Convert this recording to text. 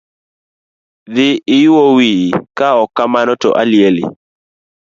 Dhi iyuo wiyo, kaok kamano to alieli.